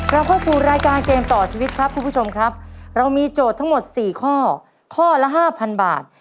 เราเข้าสู่รายการเกมต่อชีวิตครับคุณผู้ชมครับเรามีโจทย์ทั้งหมดสี่ข้อข้อละห้าพันบาท